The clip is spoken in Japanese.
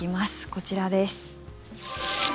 こちらです。